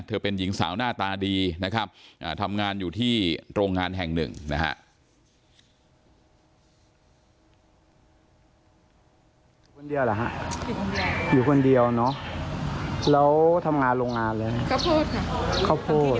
เป็นหญิงสาวหน้าตาดีนะครับทำงานอยู่ที่โรงงานแห่งหนึ่งนะฮะ